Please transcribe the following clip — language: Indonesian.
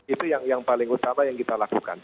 itu yang paling utama yang kita lakukan